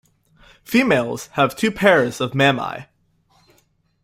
Females have two pairs of mammae.